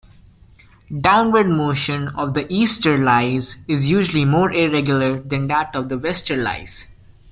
Downward motion of the easterlies is usually more irregular than that of the westerlies.